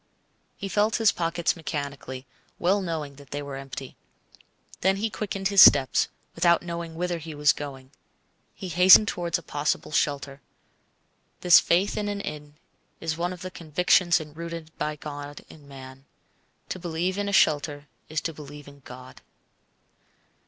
He felt his pockets mechanically, well knowing that they were empty. Then he quickened his steps, without knowing whither he was going. He hastened towards a possible shelter. This faith in an inn is one of the convictions enrooted by God in man. To believe in a shelter is to believe in God.